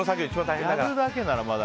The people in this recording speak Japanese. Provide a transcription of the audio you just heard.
やるだけならまだ。